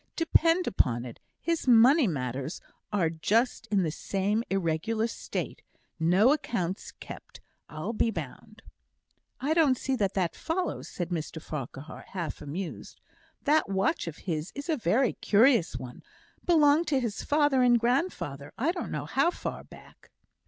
Depend upon it, his money matters are just in the same irregular state; no accounts kept, I'll be bound." "I don't see that that follows," said Mr Farquhar, half amused. "That watch of his is a very curious one belonged to his father and grandfather, I don't know how far back."